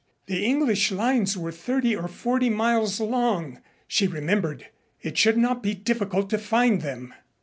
The English lines were thirty or forty miles long, she remembered. It should not be difficult to find them.